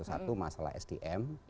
satu masalah sdm